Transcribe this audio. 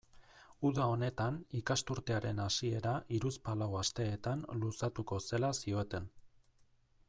Uda honetan ikasturtearen hasiera hiruzpalau asteetan luzatuko zela zioten.